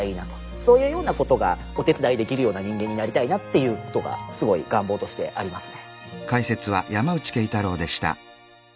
そういうようなことがお手伝いできるような人間になりたいなっていうことがすごい願望としてありますね。